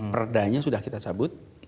peredahnya sudah kita cabut